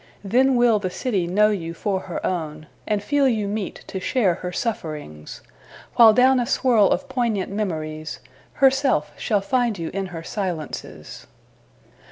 Then will the city know you for her own, And feel you meet to share her sufferings; While down a swirl of poignant memories, Herself shall find you in her silences.